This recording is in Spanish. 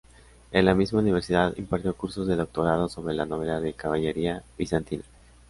En la misma Universidad, impartió cursos de doctorado sobre la novela de caballería bizantina.